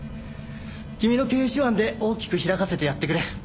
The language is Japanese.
君の経営手腕で大きく開かせてやってくれ。